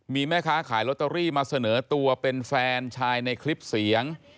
มีแม่ค้าขายลอตเตอรี่มาเสนอตัวเป็นแฟนชายในคลิปเสียง